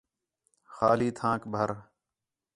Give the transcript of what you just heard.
خالی تھانک بَھر